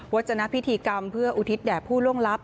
จนพิธีกรรมเพื่ออุทิศแด่ผู้ล่วงลับ